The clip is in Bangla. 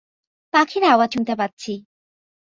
পাখির আওয়াজ শুনতে পাচ্ছি।